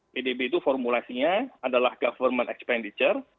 pdb itu formulasinya adalah government expenditure